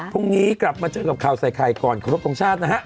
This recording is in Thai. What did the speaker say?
พรุ่งนี้กลับมาเจอกับข่าวใส่ไข่ก่อนขอรบทรงชาตินะฮะ